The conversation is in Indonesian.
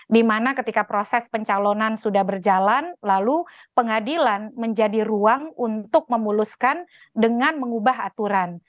dimana ketika proses pencalonan sudah berjalan lalu pengadilan menjadi ruang untuk memuluskan dengan mengubah aturan